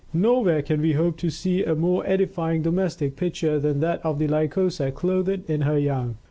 No where can we hope to see a more edifying domestic picture than that of the Lycosa clothed in her young.